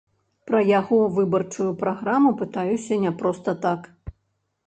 Пра яго выбарчую праграму пытаюся не проста так.